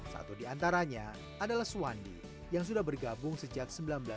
satu di antaranya adalah suwandi yang sudah bergabung sejak seribu sembilan ratus sembilan puluh